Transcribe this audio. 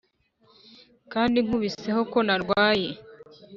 kandi nkubiseho ko narwaye